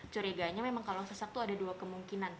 curiganya memang kalau sesak itu ada dua kemungkinan